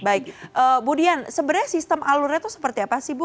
baik bu dian sebenarnya sistem alurnya itu seperti apa sih bu